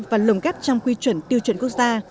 và lồng ghép trong quy chuẩn tiêu chuẩn quốc gia